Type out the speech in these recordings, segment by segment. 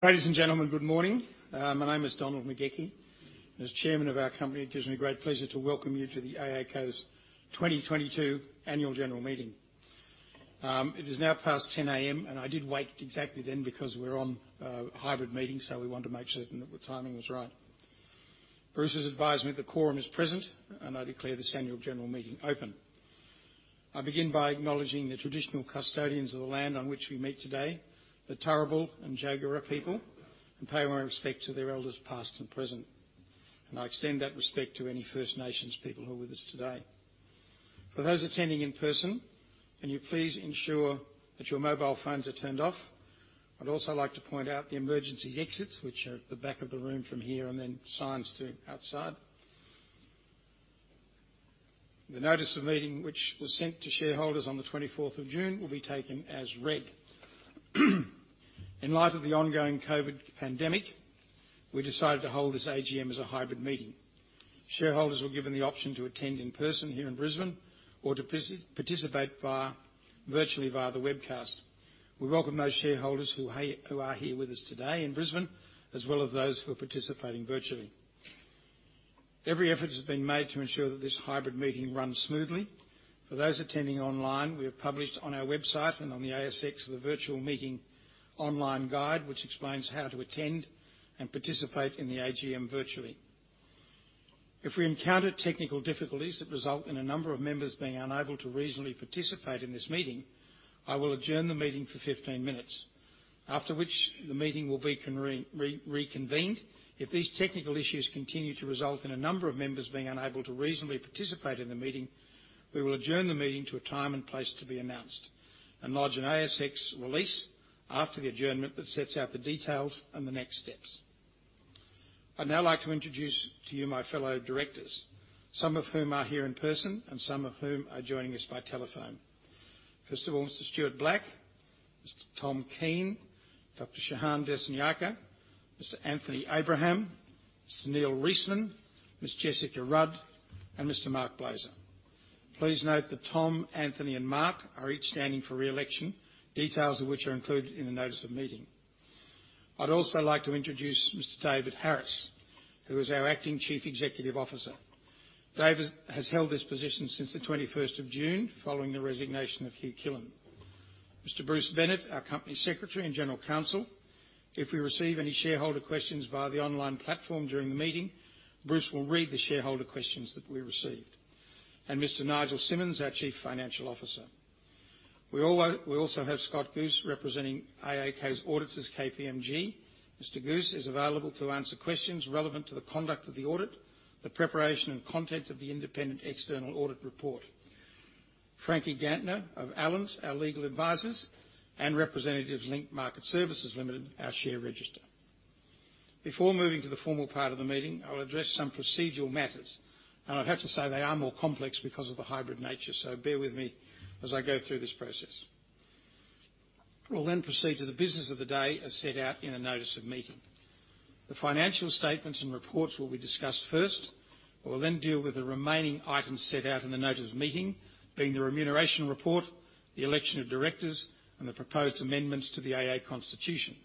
Ladies and gentlemen, good morning. My name is Donald McGauchie. As chairman of our company, it gives me great pleasure to welcome you to the AACo's 2022 annual general meeting. It is now past 10:00 A.M., and I did wait exactly then because we're on a hybrid meeting, so we wanted to make certain that the timing was right. Bruce has advised me the quorum is present, and I declare this annual general meeting open. I begin by acknowledging the traditional custodians of the land on which we meet today, the Turrbal and Jagera people, and pay my respect to their elders past and present, and I extend that respect to any First Nations people who are with us today. For those attending in person, can you please ensure that your mobile phones are turned off? I'd also like to point out the emergency exits, which are at the back of the room from here, and then signs to outside. The notice of meeting, which was sent to shareholders on the June 24th, will be taken as read. In light of the ongoing COVID pandemic, we decided to hold this AGM as a hybrid meeting. Shareholders were given the option to attend in person here in Brisbane or to participate virtually via the webcast. We welcome those shareholders who are here with us today in Brisbane, as well as those who are participating virtually. Every effort has been made to ensure that this hybrid meeting runs smoothly. For those attending online, we have published on our website and on the ASX the virtual meeting online guide, which explains how to attend and participate in the AGM virtually. If we encounter technical difficulties that result in a number of members being unable to reasonably participate in this meeting, I will adjourn the meeting for 15 minutes, after which the meeting will be reconvened. If these technical issues continue to result in a number of members being unable to reasonably participate in the meeting, we will adjourn the meeting to a time and place to be announced and lodge an ASX release after the adjournment that sets out the details and the next steps. I'd now like to introduce to you my fellow directors, some of whom are here in person and some of whom are joining us by telephone. First of all, Mr. Stuart Black, Mr. Tom Keene, Dr. Shehan Dissanayake, Mr. Anthony Abraham, Mr. Neil Reisman, Ms. Jessica Rudd, and Mr. Marc Blazer. Please note that Tom Keene, Anthony Abraham, and Marc Blazer are each standing for re-election, details of which are included in the notice of meeting. I'd also like to introduce Mr. David Harris, who is our Acting Chief Executive Officer. David has held this position since the June 21st following the resignation of Hugh Killen. Mr. Bruce Bennett, our Company Secretary and General Counsel. If we receive any shareholder questions via the online platform during the meeting, Bruce will read the shareholder questions that we received. Mr. Nigel Simonsz, our Chief Financial Officer. We also have Scott Guse representing AACo's auditors, KPMG. Mr. Guse is available to answer questions relevant to the conduct of the audit, the preparation and content of the independent external audit report. Franki Ganter of Allens, our legal advisors, and representatives of Link Market Services Limited, our share register. Before moving to the formal part of the meeting, I'll address some procedural matters, and I'd have to say they are more complex because of the hybrid nature, so bear with me as I go through this process. We'll then proceed to the business of the day as set out in the notice of meeting. The financial statements and reports will be discussed first. We'll then deal with the remaining items set out in the notice of meeting, being the remuneration report, the election of directors, and the proposed amendments to the AACo Constitution.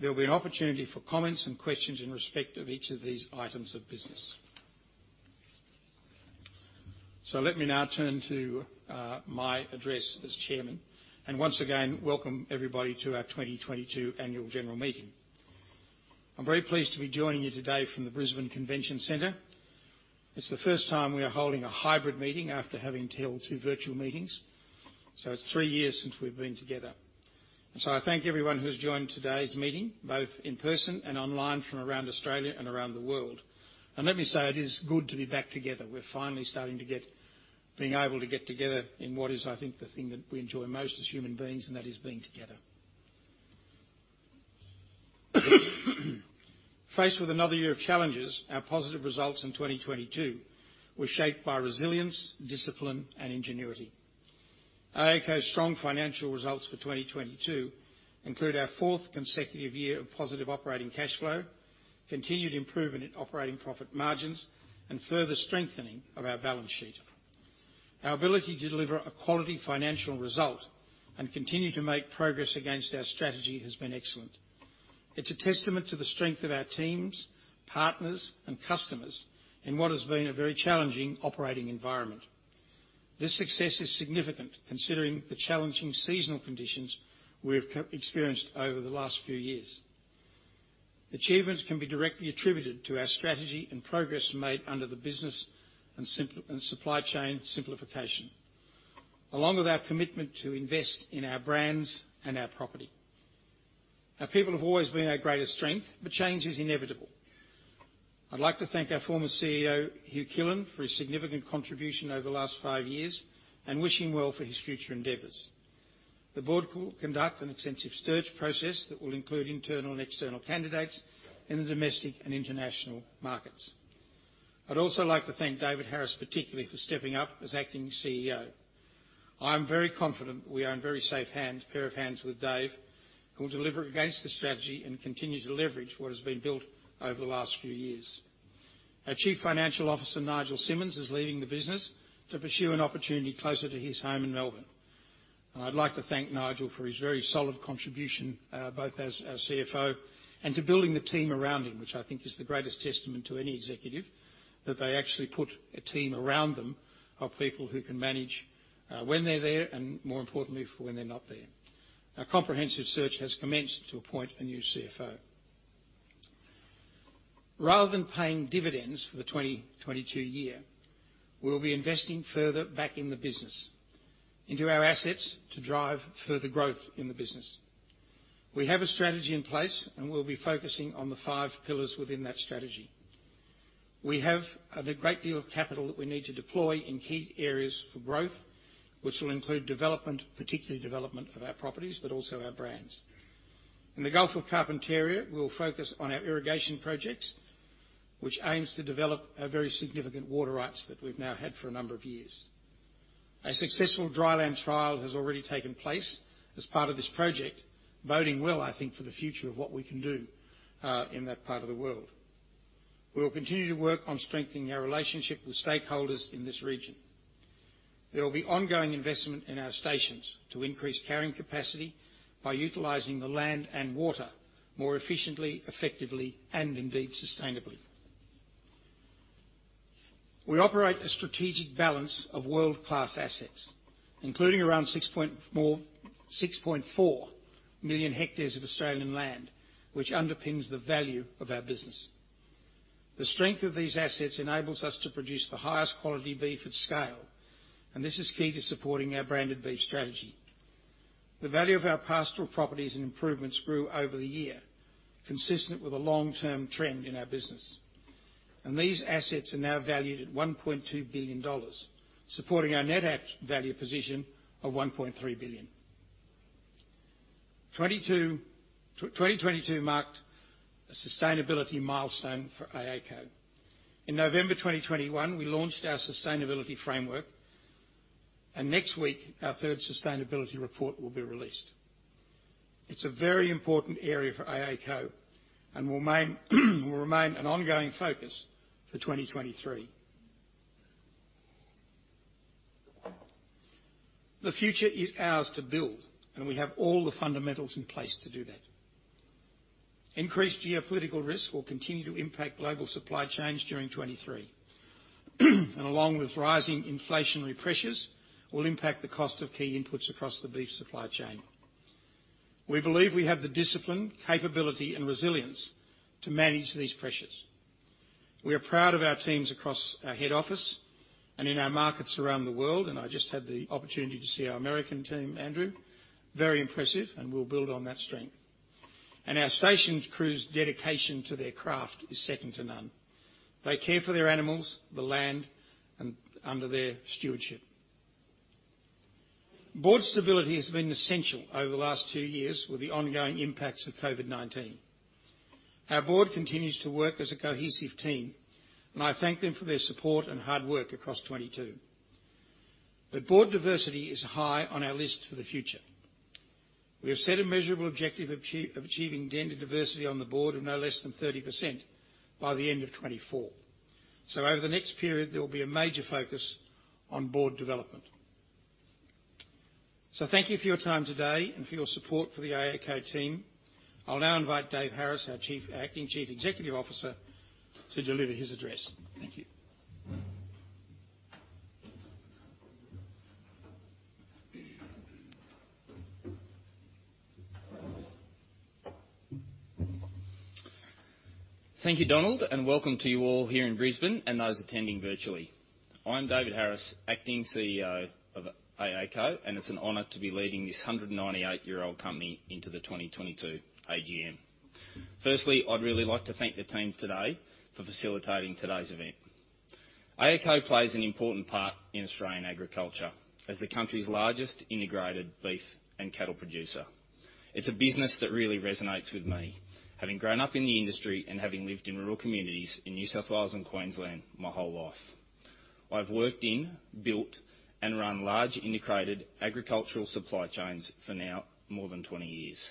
There'll be an opportunity for comments and questions in respect of each of these items of business. Let me now turn to my address as chairman, and once again, welcome everybody to our 2022 annual general meeting. I'm very pleased to be joining you today from the Brisbane Convention Center. It's the first time we are holding a hybrid meeting after having held two virtual meetings, so it's three years since we've been together. I thank everyone who's joined today's meeting, both in person and online from around Australia and around the world. Let me say it is good to be back together. We're finally starting to get together in what is, I think, the thing that we enjoy most as human beings, and that is being together. Faced with another year of challenges, our positive results in 2022 were shaped by resilience, discipline, and ingenuity. AACo's strong financial results for 2022 include our fourth consecutive year of positive operating cashflow, continued improvement in operating profit margins, and further strengthening of our balance sheet. Our ability to deliver a quality financial result and continue to make progress against our strategy has been excellent. It's a testament to the strength of our teams, partners, and customers in what has been a very challenging operating environment. This success is significant considering the challenging seasonal conditions we have experienced over the last few years. Achievements can be directly attributed to our strategy and progress made under the business and supply chain simplification, along with our commitment to invest in our brands and our property. Our people have always been our greatest strength, but change is inevitable. I'd like to thank our former CEO, Hugh Killen, for his significant contribution over the last five years and wish him well for his future endeavors. The board will conduct an extensive search process that will include internal and external candidates in the domestic and international markets. I'd also like to thank David Harris particularly for stepping up as Acting CEO. I'm very confident we are in very safe hands, pair of hands with Dave, who will deliver against the strategy and continue to leverage what has been built over the last few years. Our Chief Financial Officer, Nigel Simonsz, is leaving the business to pursue an opportunity closer to his home in Melbourne. I'd like to thank Nigel for his very solid contribution, both as CFO and to building the team around him, which I think is the greatest testament to any executive, that they actually put a team around them of people who can manage when they're there, and more importantly, for when they're not there. A comprehensive search has commenced to appoint a new CFO. Rather than paying dividends for the 2022 year, we'll be investing further back in the business into our assets to drive further growth in the business. We have a strategy in place, and we'll be focusing on the five pillars within that strategy. We have a great deal of capital that we need to deploy in key areas for growth, which will include development, particularly development of our properties, but also our brands. In the Gulf of Carpentaria, we'll focus on our irrigation projects, which aims to develop our very significant water rights that we've now had for a number of years. A successful dry land trial has already taken place as part of this project, boding well, I think, for the future of what we can do, in that part of the world. We will continue to work on strengthening our relationship with stakeholders in this region. There will be ongoing investment in our stations to increase carrying capacity by utilizing the land and water more efficiently, effectively, and indeed sustainably. We operate a strategic balance of world-class assets, including around 6.4 million hectares of Australian land, which underpins the value of our business. The strength of these assets enables us to produce the highest quality beef at scale, and this is key to supporting our branded beef strategy. The value of our pastoral properties and improvements grew over the year, consistent with a long-term trend in our business. These assets are now valued at 1.2 billion dollars, supporting our net asset value position of 1.3 billion. 2022 marked a sustainability milestone for AACo. In November 2021, we launched our sustainability framework, and next week, our third sustainability report will be released. It's a very important area for AACo and will remain an ongoing focus for 2023. The future is ours to build, and we have all the fundamentals in place to do that. Increased geopolitical risk will continue to impact global supply chains during 2023, and along with rising inflationary pressures, will impact the cost of key inputs across the beef supply chain. We believe we have the discipline, capability and resilience to manage these pressures. We are proud of our teams across our head office and in our markets around the world, and I just had the opportunity to see our American team, Andrew, very impressive, and we'll build on that strength. Our stations crews' dedication to their craft is second to none. They care for their animals, the land, and under their stewardship. Board stability has been essential over the last two years with the ongoing impacts of COVID-19. Our board continues to work as a cohesive team, and I thank them for their support and hard work across 2022. Board diversity is high on our list for the future. We have set a measurable objective of achieving gender diversity on the board of no less than 30% by the end of 2024. Over the next period, there will be a major focus on board development. Thank you for your time today and for your support for the AACo team. I'll now invite David Harris, our Acting Chief Executive Officer, to deliver his address. Thank you. Thank you, Donald, and welcome to you all here in Brisbane and those attending virtually. I'm David Harris, Acting CEO of AACo, and it's an honor to be leading this 198-year-old company into the 2022 AGM. Firstly, I'd really like to thank the team today for facilitating today's event. AACo plays an important part in Australian agriculture as the country's largest integrated beef and cattle producer. It's a business that really resonates with me, having grown up in the industry and having lived in rural communities in New South Wales and Queensland my whole life. I've worked in, built, and run large integrated agricultural supply chains for now more than 20 years.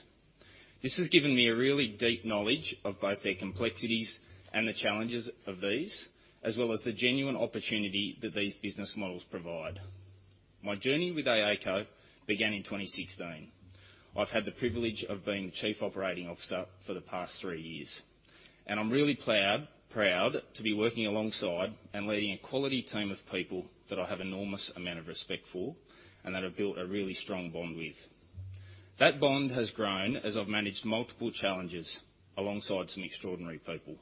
This has given me a really deep knowledge of both their complexities and the challenges of these, as well as the genuine opportunity that these business models provide. My journey with AACo began in 2016. I've had the privilege of being the Chief Operating Officer for the past three years, and I'm really proud to be working alongside and leading a quality team of people that I have enormous amount of respect for and that I've built a really strong bond with. That bond has grown as I've managed multiple challenges alongside some extraordinary people.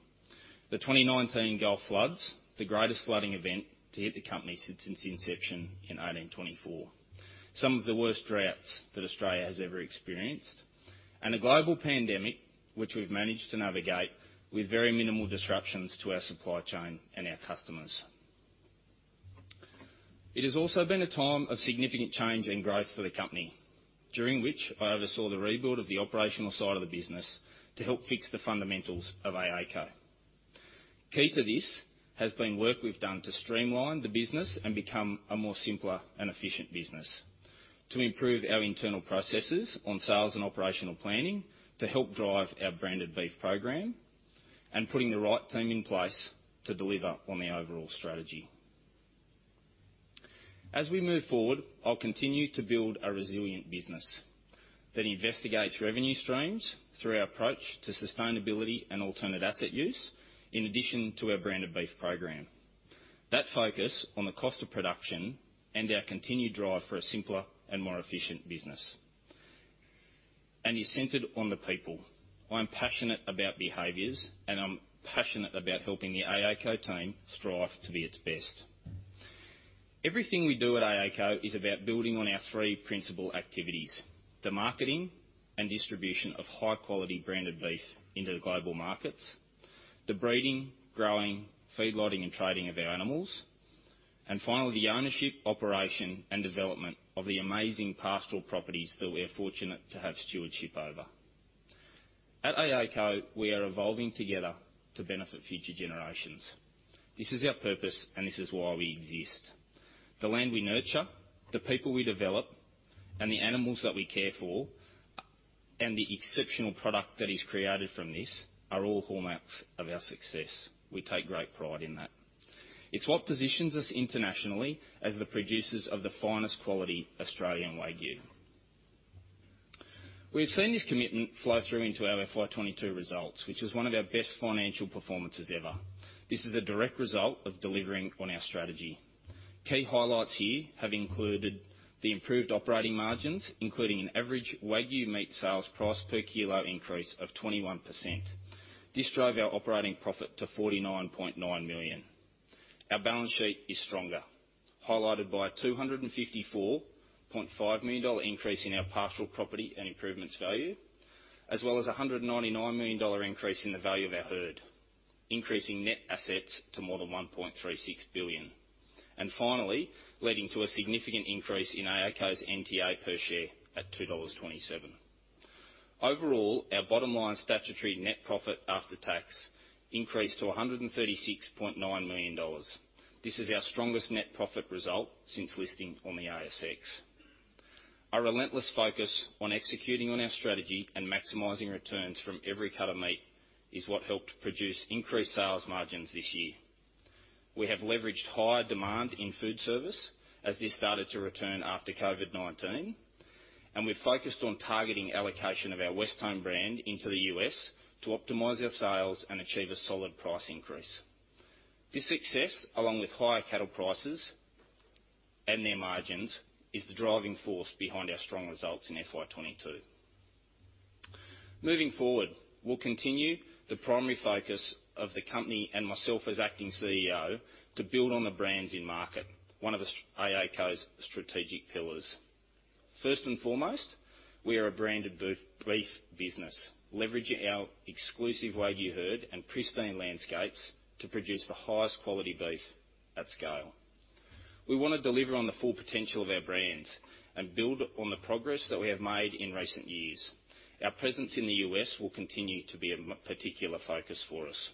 The 2019 Gulf floods, the greatest flooding event to hit the company since its inception in 1824, some of the worst droughts that Australia has ever experienced, and a global pandemic, which we've managed to navigate with very minimal disruptions to our supply chain and our customers. It has also been a time of significant change and growth for the company, during which I oversaw the rebuild of the operational side of the business to help fix the fundamentals of AACo. Key to this has been work we've done to streamline the business and become a more simpler and efficient business, to improve our internal processes on sales and operational planning to help drive our branded beef program. Putting the right team in place to deliver on the overall strategy. As we move forward, I'll continue to build a resilient business that investigates revenue streams through our approach to sustainability and alternate asset use, in addition to our branded beef program. That focus on the cost of production and our continued drive for a simpler and more efficient business, and is centered on the people. I'm passionate about behaviors, and I'm passionate about helping the AACo team strive to be its best. Everything we do at AACo is about building on our three principal activities, the marketing and distribution of high-quality branded beef into the global markets, the breeding, growing, feedlotting, and trading of our animals, and finally, the ownership, operation, and development of the amazing pastoral properties that we are fortunate to have stewardship over. At AACo, we are evolving together to benefit future generations. This is our purpose, and this is why we exist. The land we nurture, the people we develop, and the animals that we care for, and the exceptional product that is created from this are all hallmarks of our success. We take great pride in that. It's what positions us internationally as the producers of the finest quality Australian Wagyu. We've seen this commitment flow through into our FY22 results, which is one of our best financial performances ever. This is a direct result of delivering on our strategy. Key highlights here have included the improved operating margins, including an average Wagyu meat sales price per kilo increase of 21%. This drove our operating profit to 49.9 million. Our balance sheet is stronger, highlighted by a 254.5 million dollar increase in our pastoral property and improvements value, as well as a 199 million dollar increase in the value of our herd, increasing net assets to more than 1.36 billion. Finally, leading to a significant increase in AACo's NTA per share at 2.27 dollars. Overall, our bottom line statutory net profit after tax increased to 136.9 million dollars. This is our strongest net profit result since listing on the ASX. Our relentless focus on executing on our strategy and maximizing returns from every cut of meat is what helped produce increased sales margins this year. We have leveraged higher demand in food service as this started to return after COVID-19, and we've focused on targeting allocation of our Westholme brand into the U.S to optimize our sales and achieve a solid price increase. This success, along with higher cattle prices and their margins, is the driving force behind our strong results in FY22. Moving forward, we'll continue the primary focus of the company and myself as acting CEO to build on the brands in market, one of AACo's strategic pillars. First and foremost, we are a branded beef business, leveraging our exclusive Wagyu herd and pristine landscapes to produce the highest quality beef at scale. We wanna deliver on the full potential of our brands and build on the progress that we have made in recent years. Our presence in the U.S. will continue to be a particular focus for us.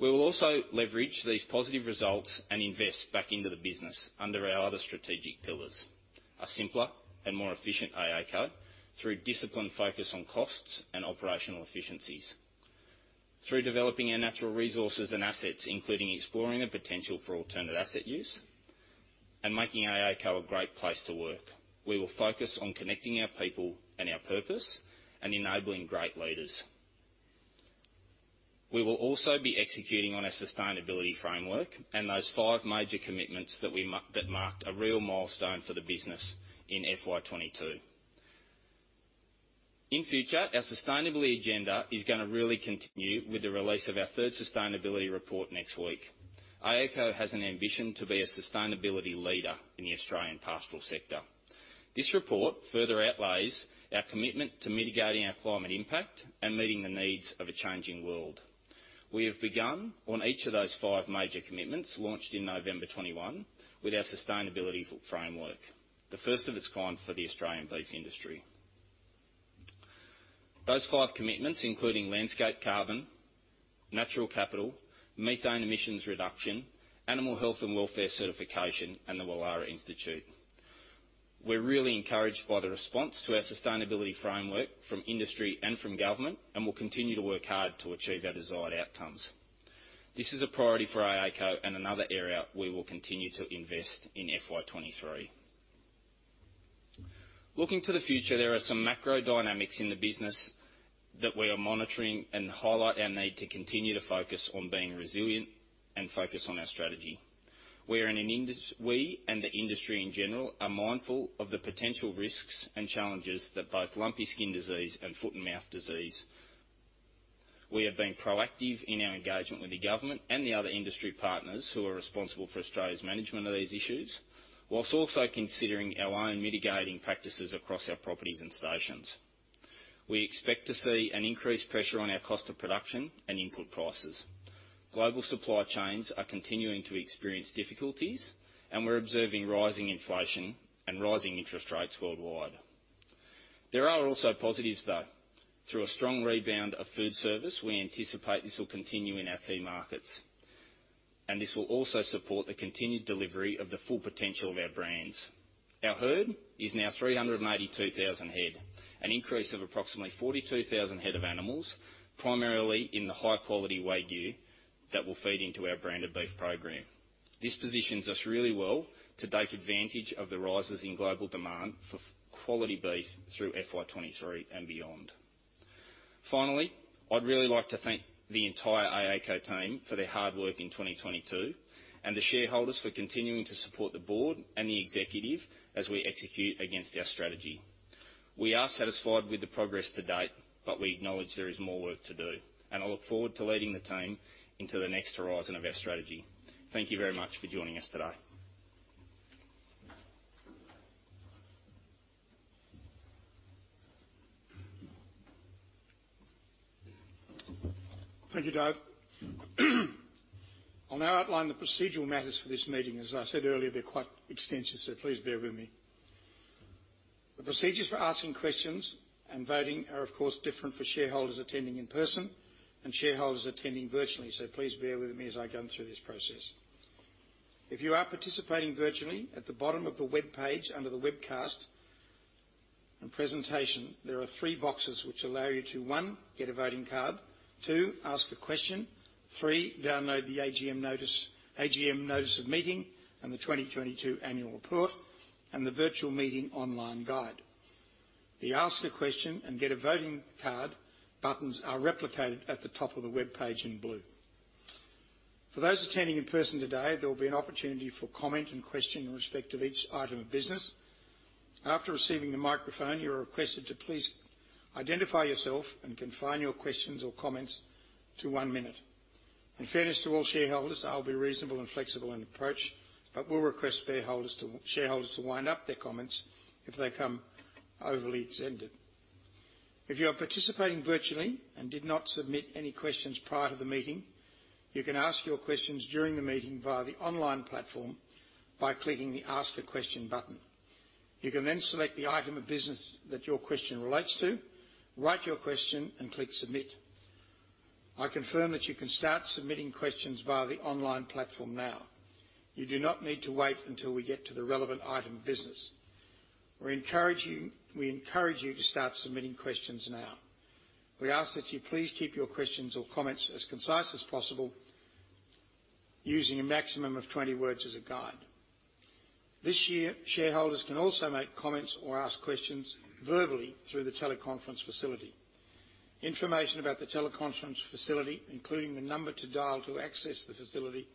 We will also leverage these positive results and invest back into the business under our other strategic pillars, a simpler and more efficient AACo through disciplined focus on costs and operational efficiencies. Through developing our natural resources and assets, including exploring the potential for alternative asset use and making AACo a great place to work. We will focus on connecting our people and our purpose and enabling great leaders. We will also be executing on our sustainability framework and those five major commitments that marked a real milestone for the business in FY22. In future, our sustainability agenda is gonna really continue with the release of our third sustainability report next week. AACo has an ambition to be a sustainability leader in the Australian pastoral sector. This report further outlines our commitment to mitigating our climate impact and meeting the needs of a changing world. We have begun on each of those five major commitments launched in November 2021 with our sustainability framework, the first of its kind for the Australian beef industry. Those five commitments, including landscape carbon, natural capital, methane emissions reduction, animal health and welfare certification, and the Wylarah Institute. We're really encouraged by the response to our sustainability framework from industry and from government, and we'll continue to work hard to achieve our desired outcomes. This is a priority for AACo and another area we will continue to invest in FY23. Looking to the future, there are some macro dynamics in the business that we are monitoring and highlight our need to continue to focus on being resilient and focus on our strategy. We and the industry in general are mindful of the potential risks and challenges that both lumpy skin disease and foot-and-mouth disease. We have been proactive in our engagement with the government and the other industry partners who are responsible for Australia's management of these issues, while also considering our own mitigating practices across our properties and stations. We expect to see an increased pressure on our cost of production and input prices. Global supply chains are continuing to experience difficulties, and we're observing rising inflation and rising interest rates worldwide. There are also positives, though. Through a strong rebound of food service, we anticipate this will continue in our key markets. This will also support the continued delivery of the full potential of our brands. Our herd is now 382,000 head, an increase of approximately 42,000 head of animals, primarily in the high quality Wagyu that will feed into our branded beef program. This positions us really well to take advantage of the rises in global demand for quality beef through FY23 and beyond. Finally, I'd really like to thank the entire AACo team for their hard work in 2022, and the shareholders for continuing to support the board and the executive as we execute against our strategy. We are satisfied with the progress to date, but we acknowledge there is more work to do, and I look forward to leading the team into the next horizon of our strategy. Thank you very much for joining us today. Thank you, David. I'll now outline the procedural matters for this meeting. As I said earlier, they're quite extensive, so please bear with me. The procedures for asking questions and voting are, of course, different for shareholders attending in person and shareholders attending virtually. Please bear with me as I go through this process. If you are participating virtually, at the bottom of the webpage under the webcast and presentation, there are three boxes which allow you to, one, get a voting card, two, ask a question, three, download the AGM notice, AGM notice of meeting and the 2022 annual report and the virtual meeting online guide. The Ask a question and Get a voting card buttons are replicated at the top of the webpage in blue. For those attending in person today, there will be an opportunity for comment and question in respect of each item of business. After receiving the microphone, you are requested to please identify yourself and confine your questions or comments to one minute. In fairness to all shareholders, I'll be reasonable and flexible in approach, but will request shareholders to wind up their comments if they come overly extended. If you are participating virtually and did not submit any questions prior to the meeting, you can ask your questions during the meeting via the online platform by clicking the Ask a question button. You can then select the item of business that your question relates to, write your question and click Submit. I confirm that you can start submitting questions via the online platform now. You do not need to wait until we get to the relevant item of business. We encourage you to start submitting questions now. We ask that you please keep your questions or comments as concise as possible, using a maximum of 20 words as a guide. This year, shareholders can also make comments or ask questions verbally through the teleconference facility. Information about the teleconference facility, including the number to dial to access the facility,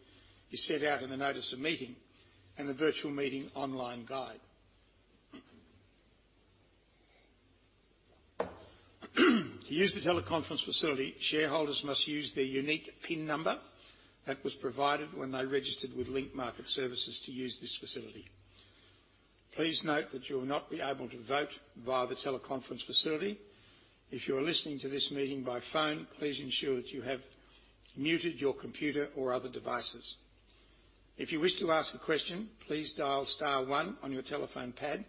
is set out in the notice of meeting and the virtual meeting online guide. To use the teleconference facility, shareholders must use their unique PIN number that was provided when they registered with Link Market Services to use this facility. Please note that you will not be able to vote via the teleconference facility. If you are listening to this meeting by phone, please ensure that you have muted your computer or other devices. If you wish to ask a question, please dial star one on your telephone pad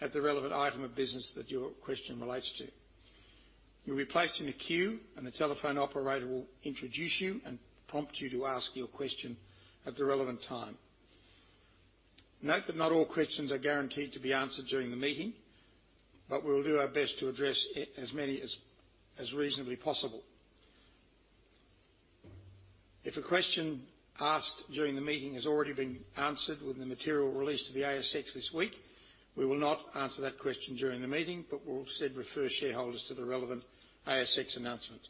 at the relevant item of business that your question relates to. You'll be placed in a queue, and the telephone operator will introduce you and prompt you to ask your question at the relevant time. Note that not all questions are guaranteed to be answered during the meeting, but we will do our best to address as many as reasonably possible. If a question asked during the meeting has already been answered with the material released to the ASX this week, we will not answer that question during the meeting, but we'll instead refer shareholders to the relevant ASX announcement.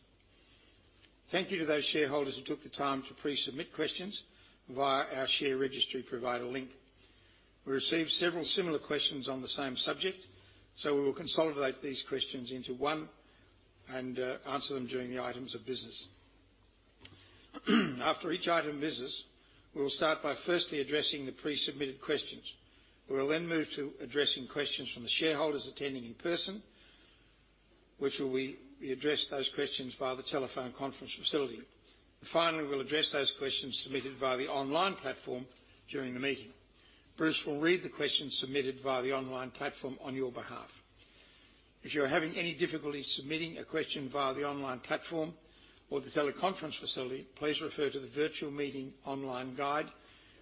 Thank you to those shareholders who took the time to pre-submit questions via our share registry provider Link. We received several similar questions on the same subject, so we will consolidate these questions into one and answer them during the items of business. After each item of business, we will start by firstly addressing the pre-submitted questions. We will then move to addressing questions from the shareholders attending in person, which we address those questions via the telephone conference facility. Finally, we'll address those questions submitted via the online platform during the meeting. Bruce will read the questions submitted via the online platform on your behalf. If you are having any difficulty submitting a question via the online platform or the teleconference facility, please refer to the virtual meeting online guide,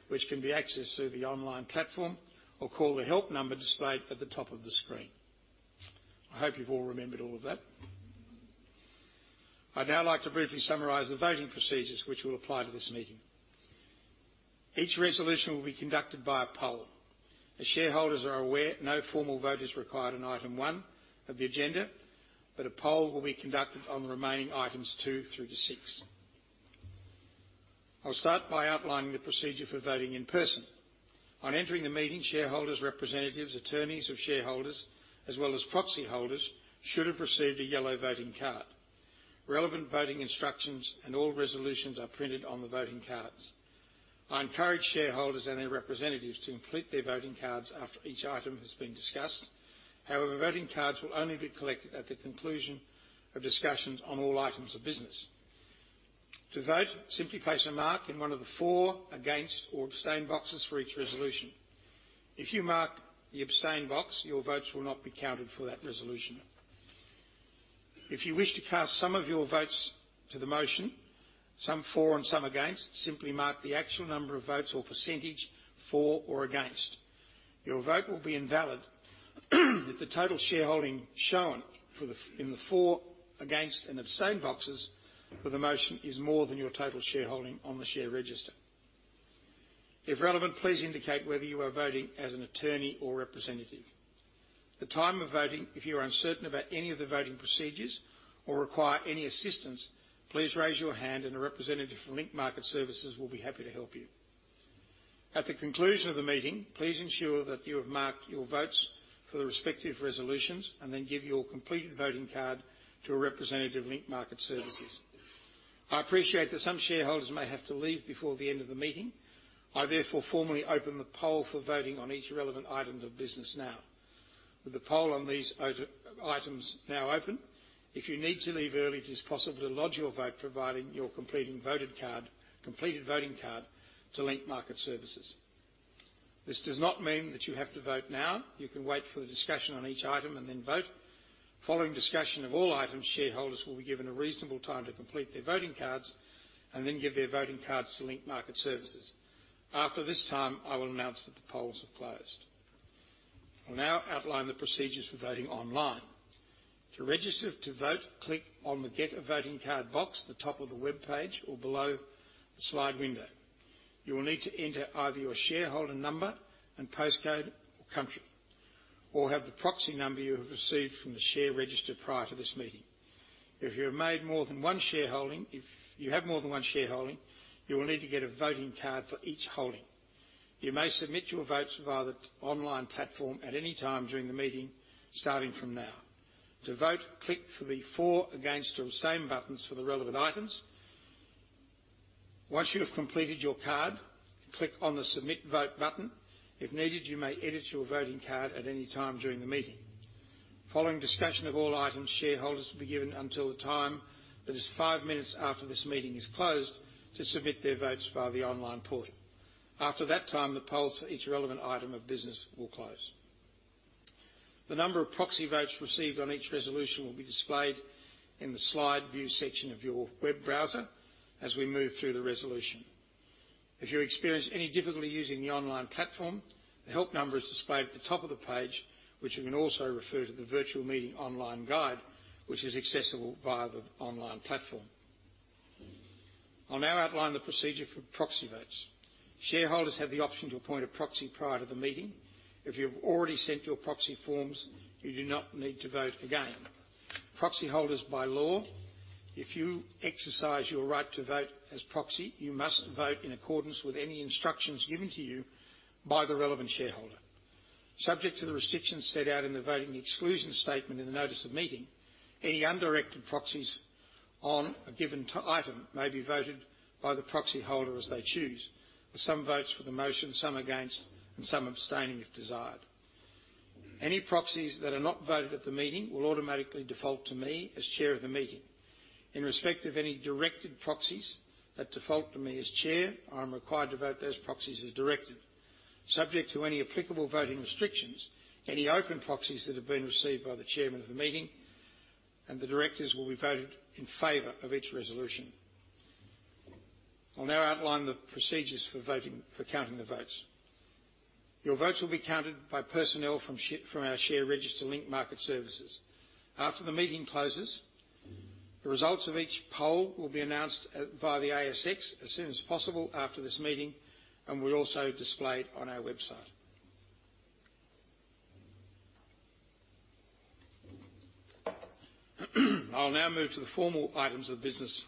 which can be accessed through the online platform, or call the help number displayed at the top of the screen. I hope you've all remembered all of that. I'd now like to briefly summarize the voting procedures which will apply to this meeting. Each resolution will be conducted by a poll. As shareholders are aware, no formal vote is required on item one of the agenda, but a poll will be conducted on the remaining items two through to six. I'll start by outlining the procedure for voting in person. On entering the meeting, shareholders, representatives, attorneys of shareholders, as well as proxyholders, should have received a yellow voting card. Relevant voting instructions and all resolutions are printed on the voting cards. I encourage shareholders and their representatives to complete their voting cards after each item has been discussed. However, voting cards will only be collected at the conclusion of discussions on all items of business. To vote, simply place a mark in one of the for, against, or abstain boxes for each resolution. If you mark the abstain box, your votes will not be counted for that resolution. If you wish to cast some of your votes to the motion, some for and some against, simply mark the actual number of votes or percentage for or against. Your vote will be invalid if the total shareholding shown in the for, against, and abstain boxes for the motion is more than your total shareholding on the share register. If relevant, please indicate whether you are voting as an attorney or representative. At the time of voting, if you are uncertain about any of the voting procedures or require any assistance, please raise your hand and a representative from Link Market Services will be happy to help you. At the conclusion of the meeting, please ensure that you have marked your votes for the respective resolutions and then give your completed voting card to a representative of Link Market Services. I appreciate that some shareholders may have to leave before the end of the meeting. I therefore formally open the poll for voting on each relevant item of business now. With the poll on these other items now open, if you need to leave early, it is possible to lodge your vote, providing your completed voting card to Link Market Services. This does not mean that you have to vote now. You can wait for the discussion on each item and then vote. Following discussion of all items, shareholders will be given a reasonable time to complete their voting cards and then give their voting cards to Link Market Services. After this time, I will announce that the polls have closed. I'll now outline the procedures for voting online. To register to vote, click on the Get a voting card box at the top of the webpage or below the slide window. You will need to enter either your shareholder number and postcode, or country, or have the proxy number you have received from the share register prior to this meeting. If you have more than one shareholding, you will need to get a voting card for each holding. You may submit your votes via the online platform at any time during the meeting, starting from now. To vote, click the for, against, or abstain buttons for the relevant items. Once you have completed your card, click on the Submit Vote button. If needed, you may edit your voting card at any time during the meeting. Following discussion of all items, shareholders will be given until the time that is five minutes after this meeting is closed to submit their votes via the online portal. After that time, the polls for each relevant item of business will close. The number of proxy votes received on each resolution will be displayed in the slide view section of your web browser as we move through the resolution. If you experience any difficulty using the online platform, the help number is displayed at the top of the page, which you can also refer to the Virtual Meeting Online Guide, which is accessible via the online platform. I'll now outline the procedure for proxy votes. Shareholders have the option to appoint a proxy prior to the meeting. If you've already sent your proxy forms, you do not need to vote again. Proxy holders, by law, if you exercise your right to vote as proxy, you must vote in accordance with any instructions given to you by the relevant shareholder. Subject to the restrictions set out in the voting exclusion statement in the notice of meeting, any undirected proxies on a given item may be voted by the proxy holder as they choose, with some votes for the motion, some against, and some abstaining if desired. Any proxies that are not voted at the meeting will automatically default to me as chair of the meeting. In respect of any directed proxies that default to me as chair, I am required to vote those proxies as directed. Subject to any applicable voting restrictions, any open proxies that have been received by the chairman of the meeting and the directors will be voted in favor of each resolution. I'll now outline the procedures for voting, for counting the votes. Your votes will be counted by personnel from our share register, Link Market Services. After the meeting closes, the results of each poll will be announced via the ASX as soon as possible after this meeting, and will also display on our website. I'll now move to the formal items of business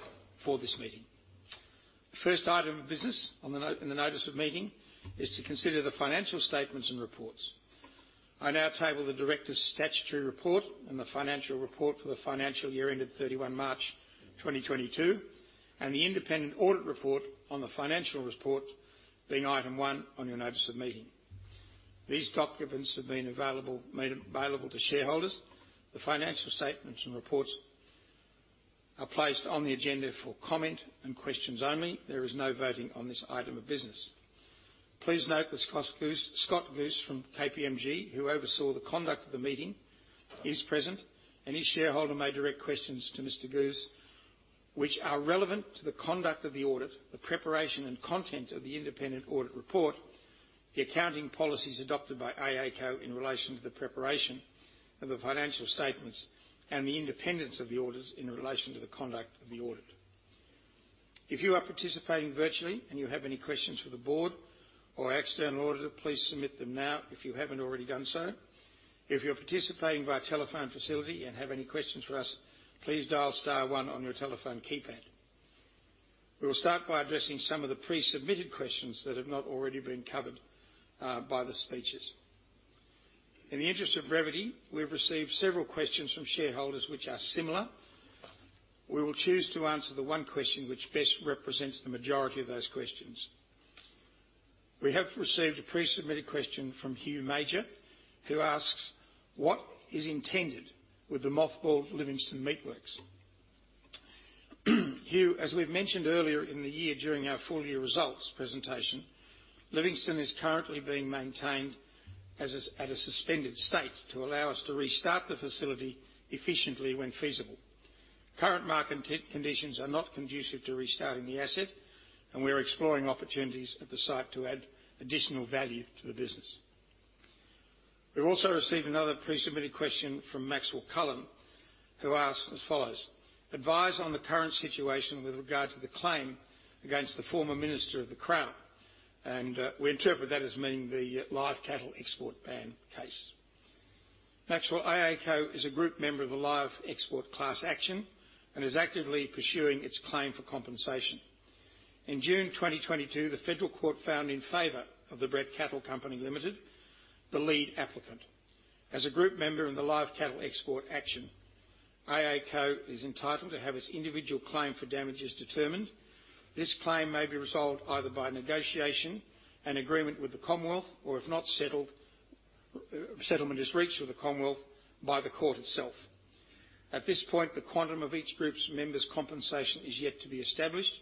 for this meeting. The first item of business in the notice of meeting is to consider the financial statements and reports. I now table the directors' statutory report and the financial report for the financial year ended March 31, 2022, and the independent audit report on the financial report being item one on your notice of meeting. These documents have been made available to shareholders. The financial statements and reports are placed on the agenda for comment and questions only. There is no voting on this item of business. Please note that Scott Guse from KPMG, who oversaw the conduct of the meeting, is present, and each shareholder may direct questions to Mr. Guse which are relevant to the conduct of the audit, the preparation and content of the independent audit report, the accounting policies adopted by AACo in relation to the preparation of the financial statements, and the independence of the auditors in relation to the conduct of the audit. If you are participating virtually and you have any questions for the board or external auditor, please submit them now if you haven't already done so. If you're participating via telephone facility and have any questions for us, please dial star one on your telephone keypad. We will start by addressing some of the pre-submitted questions that have not already been covered by the speeches. In the interest of brevity, we've received several questions from shareholders which are similar. We will choose to answer the one question which best represents the majority of those questions. We have received a pre-submitted question from Hugh Major, who asks, "What is intended with the mothballed Livingstone Meat Works?" Hugh, as we've mentioned earlier in the year during our full year results presentation, Livingstone is currently being maintained in a suspended state to allow us to restart the facility efficiently when feasible. Current market conditions are not conducive to restarting the asset, and we are exploring opportunities at the site to add additional value to the business. We've also received another pre-submitted question from Maxwell Cullen, who asks as follows: Advise on the current situation with regard to the claim against the former minister of the Crown. We interpret that as meaning the live cattle export ban case. Maxwell, AACo is a group member of the Live Export Class Action and is actively pursuing its claim for compensation. In June 2022, the Federal Court found in favor of the Brett Cattle Company Pty Ltd, the lead applicant. As a group member in the live cattle export action, AACo is entitled to have its individual claim for damages determined. This claim may be resolved either by negotiation and agreement with the Commonwealth, or if not settled, settlement is reached with the Commonwealth by the court itself. At this point, the quantum of each group's members' compensation is yet to be established.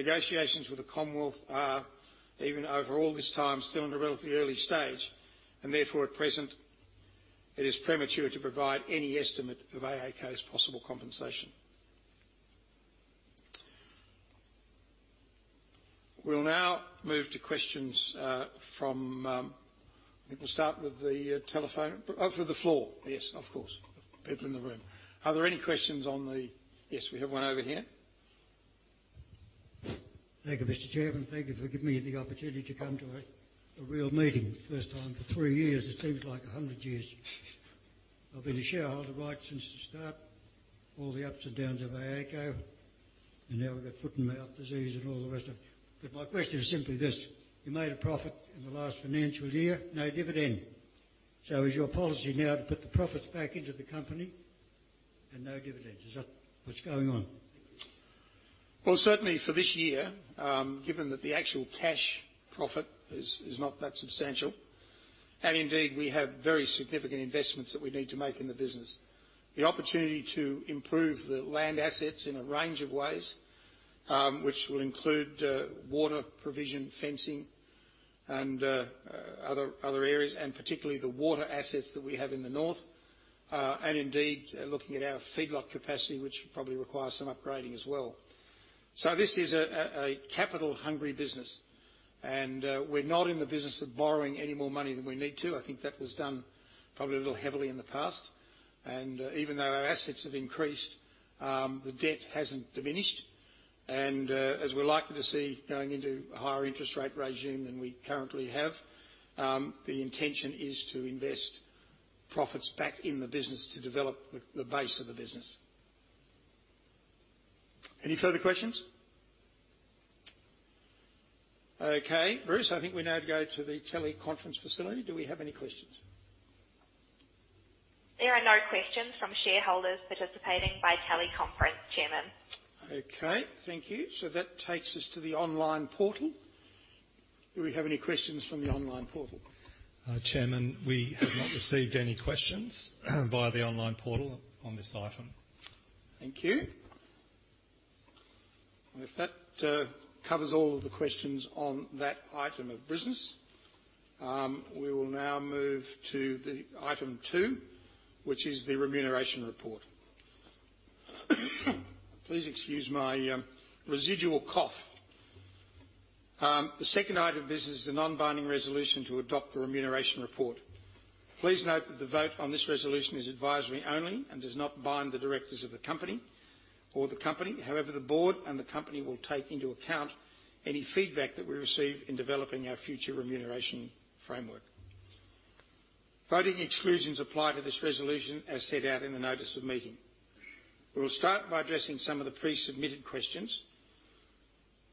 Negotiations with the Commonwealth are, even over all this time, still in a relatively early stage, and therefore at present it is premature to provide any estimate of AACo's possible compensation. We'll now move to questions from. I think we'll start with the telephone. From the floor. Yes, of course. People in the room. Are there any questions on the. Yes, we have one over here. Thank you, Mr. Chairman. Thank you for giving me the opportunity to come to a real meeting. First time for three years. It seems like a hundred years. I've been a shareholder right since the start. All the ups and downs of AACo, and now we've got foot-and-mouth disease. My question is simply this, you made a profit in the last financial year, no dividend. Is your policy now to put the profits back into the company and no dividends? Is that what's going on? Well, certainly for this year, given that the actual cash profit is not that substantial, and indeed, we have very significant investments that we need to make in the business. The opportunity to improve the land assets in a range of ways, which will include water provision, fencing and other areas, and particularly the water assets that we have in the north. Indeed looking at our feedlot capacity, which probably requires some upgrading as well. This is a capital-hungry business. We're not in the business of borrowing any more money than we need to. I think that was done probably a little heavily in the past. Even though our assets have increased, the debt hasn't diminished. As we're likely to see going into a higher interest rate regime than we currently have, the intention is to invest profits back in the business to develop the base of the business. Any further questions? Okay. Bruce, I think we now go to the teleconference facility. Do we have any questions? There are no questions from shareholders participating by teleconference, Chairman. Okay, thank you. That takes us to the online portal. Do we have any questions from the online portal? Chairman, we have not received any questions via the online portal on this item. Thank you. If that covers all of the questions on that item of business, we will now move to Item two, which is the remuneration report. Please excuse my residual cough. The second item of business is the non-binding resolution to adopt the remuneration report. Please note that the vote on this resolution is advisory only and does not bind the directors of the company or the company. However, the board and the company will take into account any feedback that we receive in developing our future remuneration framework. Voting exclusions apply to this resolution as set out in the notice of meeting. We'll start by addressing some of the pre-submitted questions.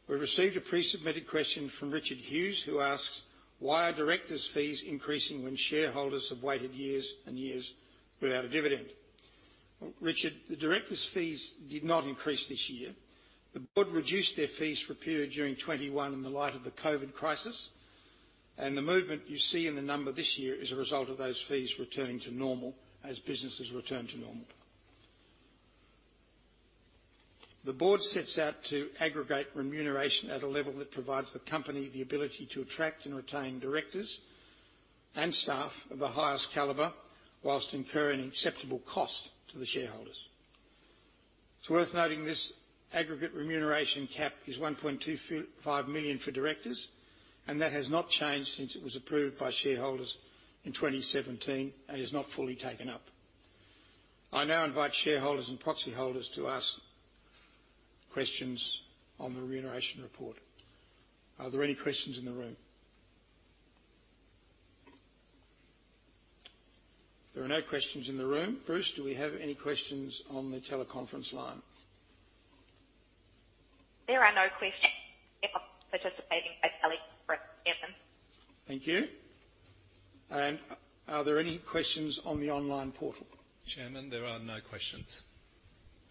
We received a pre-submitted question from Richard Hughes, who asks, "Why are directors' fees increasing when shareholders have waited years and years without a dividend?" Well, Richard, the directors' fees did not increase this year. The board reduced their fees for a period during 2021 in the light of the COVID crisis. The movement you see in the number this year is a result of those fees returning to normal as businesses return to normal. The board sets out to aggregate remuneration at a level that provides the company the ability to attract and retain directors and staff of the highest caliber while incurring acceptable cost to the shareholders. It's worth noting this aggregate remuneration cap is 1.25 million for directors, and that has not changed since it was approved by shareholders in 2017 and is not fully taken up. I now invite shareholders and proxy holders to ask questions on the remuneration report. Are there any questions in the room? If there are no questions in the room, Bruce, do we have any questions on the teleconference line? There are no questions participating by teleconference, Chairman. Thank you. Are there any questions on the online portal? Chairman, there are no questions.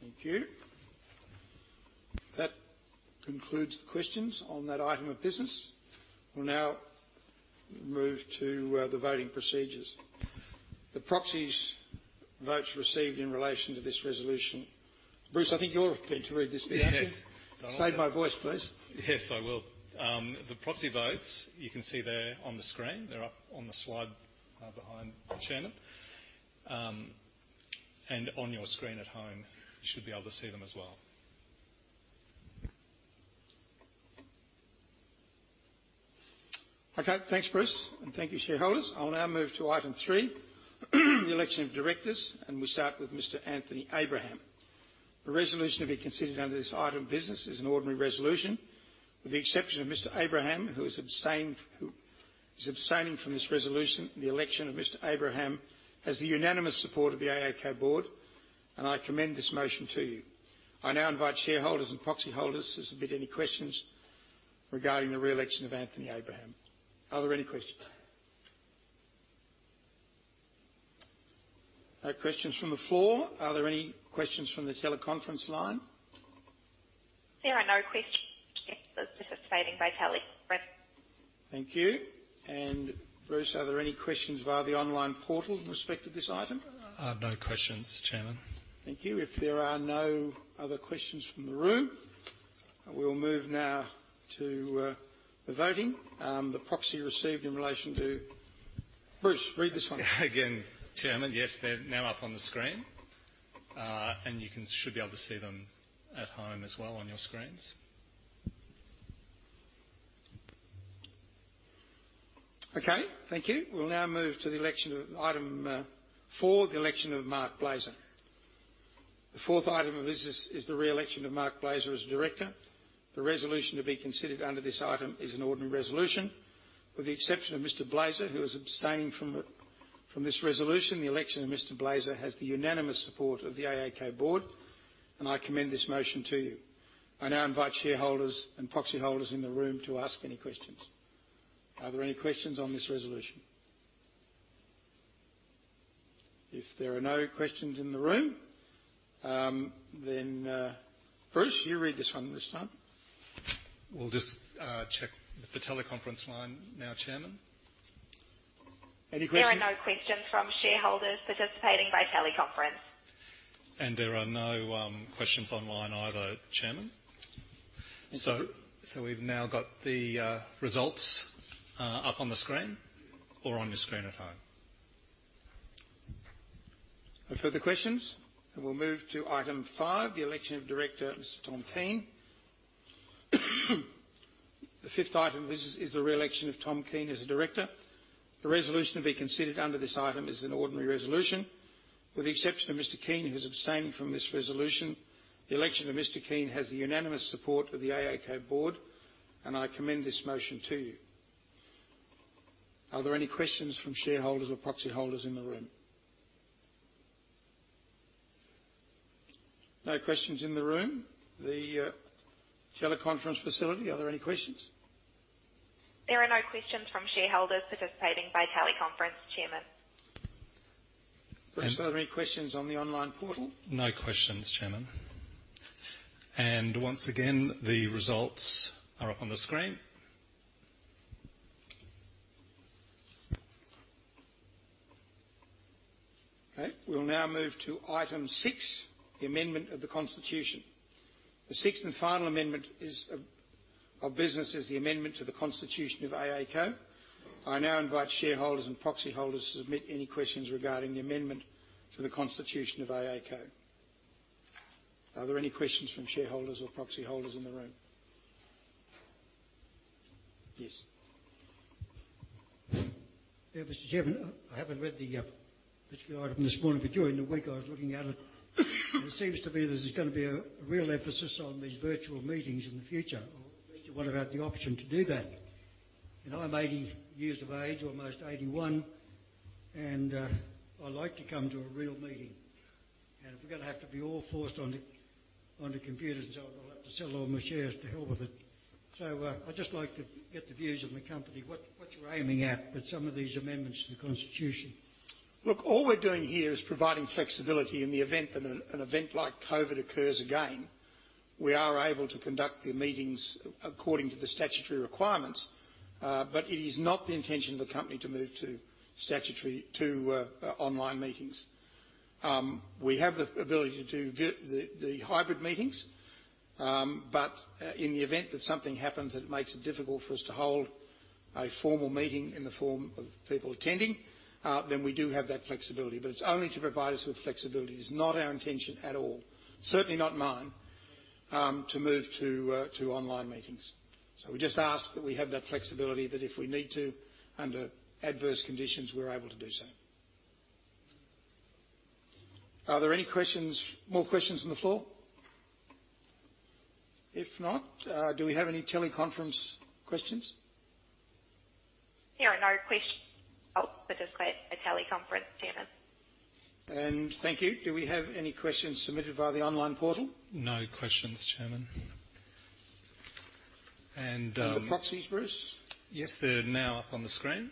Thank you. That concludes the questions on that item of business. We'll now move to the voting procedures. The proxy votes received in relation to this resolution. Bruce, I think you're fit to read this bit, aren't you? Yes. Save my voice, please. Yes, I will. The proxy votes, you can see there on the screen. They're up on the slide, behind the chairman. On your screen at home, you should be able to see them as well. Okay. Thanks, Bruce. Thank you, shareholders. I'll now move to item three, the election of directors, and we start with Mr. Anthony Abraham. The resolution to be considered under this item of business is an ordinary resolution. With the exception of Mr Abraham, who is abstaining from this resolution, the election of Mr Abraham has the unanimous support of the AACo board, and I commend this motion to you. I now invite shareholders and proxy holders to submit any questions regarding the re-election of Anthony Abraham. Are there any questions? No questions from the floor. Are there any questions from the teleconference line? There are no questions. Participants participating by teleconference. Thank you. Bruce, are there any questions via the online portal in respect of this item? No questions, Chairman. Thank you. If there are no other questions from the room, we will move now to the voting. Bruce, read this one. Again, Chairman, yes, they're now up on the screen. You should be able to see them at home as well on your screens. Okay. Thank you. We'll now move to the election of item four, the election of Marc Blazer. The fourth item of business is the re-election of Marc Blazer as director. The resolution to be considered under this item is an ordinary resolution. With the exception of Mr. Blazer, who is abstaining from this resolution, the election of Mr. Blazer has the unanimous support of the AACo board, and I commend this motion to you. I now invite shareholders and proxy holders in the room to ask any questions. Are there any questions on this resolution? If there are no questions in the room, then Bruce, you read this one this time. We'll just check the teleconference line now, Chairman. Any questions? There are no questions from shareholders participating by teleconference. There are no questions online either, Chairman. Thank you. We've now got the results up on the screen or on your screen at home. No further questions? We'll move to item five, the election of director, Mr. Tom Keene. The fifth item of business is the re-election of Tom Keene as a director. The resolution to be considered under this item is an ordinary resolution. With the exception of Mr. Keene, who is abstaining from this resolution, the election of Mr. Keene has the unanimous support of the AACo board, and I commend this motion to you. Are there any questions from shareholders or proxy holders in the room? No questions in the room. The teleconference facility, are there any questions? There are no questions from shareholders participating by teleconference, Chairman. Bruce- And- Are there any questions on the online portal? No questions, Chairman. Once again, the results are up on the screen. Okay. We'll now move to item six, the amendment of the Constitution. The sixth and final item of business is the amendment to the Constitution of AACo. I now invite shareholders and proxy holders to submit any questions regarding the amendment to the Constitution of AACo. Are there any questions from shareholders or proxy holders in the room? Yes. Yeah. Mr. Chairman, I haven't read the particular item this morning, but during the week I was looking at it. It seems to me there's gonna be a real emphasis on these virtual meetings in the future, or at least you wanna have the option to do that. I'm 80 years of age, almost 81, and I like to come to a real meeting. If we're gonna have to be all forced onto computers and so on, I'll have to sell all my shares. To hell with it. I'd just like to get the views of the company, what you're aiming at with some of these amendments to the Constitution. Look, all we're doing here is providing flexibility in the event that an event like COVID occurs again. We are able to conduct the meetings according to the statutory requirements, but it is not the intention of the company to move to online meetings. We have the ability to do the hybrid meetings. In the event that something happens that makes it difficult for us to hold a formal meeting in the form of people attending, then we do have that flexibility. It's only to provide us with flexibility. It's not our intention at all, certainly not mine, to move to online meetings. We just ask that we have that flexibility, that if we need to under adverse conditions, we're able to do so. Are there any questions, more questions on the floor? If not, do we have any teleconference questions? There are no questions or participants by teleconference, Chairman. Thank you. Do we have any questions submitted via the online portal? No questions, Chairman. The proxies, Bruce? Yes, they're now up on the screen.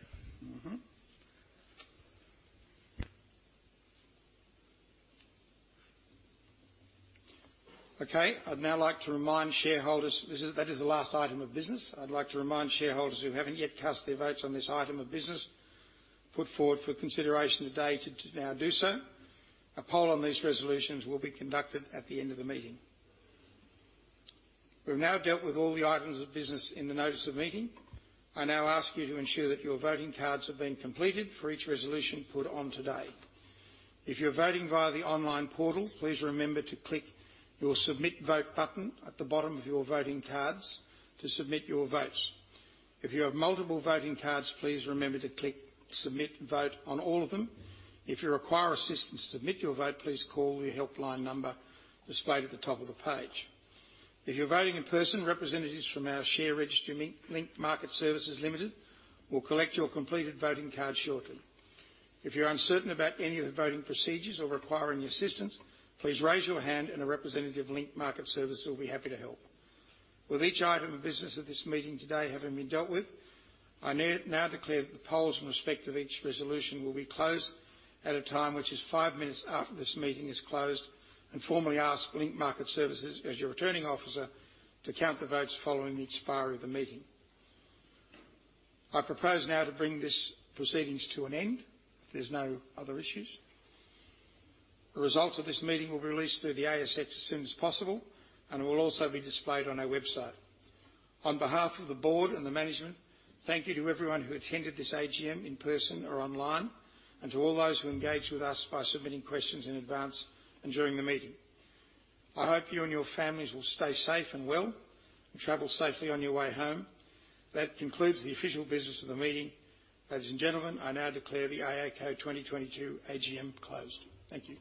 That is the last item of business. I'd like to remind shareholders who haven't yet cast their votes on this item of business put forward for consideration today to now do so. A poll on these resolutions will be conducted at the end of the meeting. We've now dealt with all the items of business in the notice of meeting. I now ask you to ensure that your voting cards have been completed for each resolution put on today. If you're voting via the online portal, please remember to click your Submit Vote button at the bottom of your voting cards to submit your votes. If you have multiple voting cards, please remember to click Submit Vote on all of them. If you require assistance to submit your vote, please call the helpline number displayed at the top of the page. If you're voting in person, representatives from our share registry, Link Market Services Limited, will collect your completed voting card shortly. If you're uncertain about any of the voting procedures or requiring assistance, please raise your hand and a representative of Link Market Services will be happy to help. With each item of business at this meeting today having been dealt with, I now declare that the polls in respect of each resolution will be closed at a time which is five minutes after this meeting is closed and formally ask Link Market Services, as your returning officer, to count the votes following the expiry of the meeting. I propose now to bring this proceedings to an end if there's no other issues. The results of this meeting will be released through the ASX as soon as possible and will also be displayed on our website. On behalf of the board and the management, thank you to everyone who attended this AGM in person or online, and to all those who engaged with us by submitting questions in advance and during the meeting. I hope you and your families will stay safe and well, and travel safely on your way home. That concludes the official business of the meeting. Ladies and gentlemen, I now declare the AACo 2022 AGM closed. Thank you.